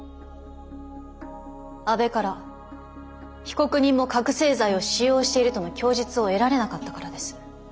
阿部から被告人も覚醒剤を使用しているとの供述を得られなかったからです。